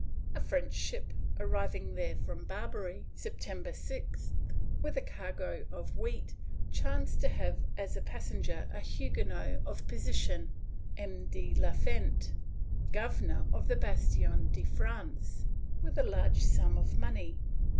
A French ship, arriving there from Barbary, September 6th, with a cargo of wheat, chanced to have as a passenger a Huguenot of position, M. de la Fent, governor of the Bastion de France, with a large sum of money.